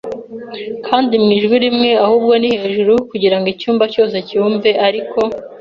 kandi mu ijwi rimwe, ahubwo ni hejuru, kugirango icyumba cyose cyumve, ariko